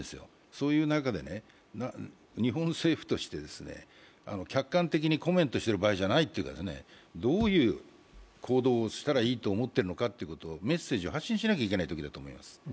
そういう中で、日本政府として客観的にコメントしている場合ではないというか、どういう行動をしたらいいと思っているのかといとうメッセージを発信しなければいけないときだと思います。